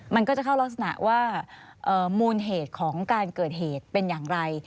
มันก็จะเข้ารักษณะว่ามูลเหตุของการเกิดเหตุเป็นอย่างไร